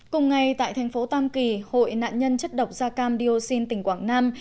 cùng ngày tại thành phố tam kỳ hội nạn nhân chất độc da cam dioxin tỉnh quảng nam